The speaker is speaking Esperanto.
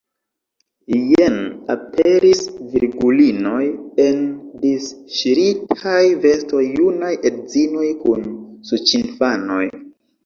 Jen aperis virgulinoj en disŝiritaj vestoj, junaj edzinoj kun suĉinfanoj.